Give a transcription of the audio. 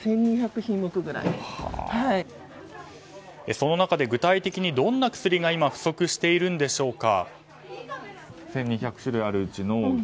その中で具体的にどんな薬が、今不足しているのでしょうか。